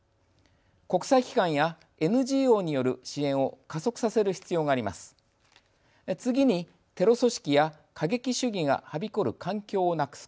国際機関やＮＧＯによる支援を加速させる必要があります。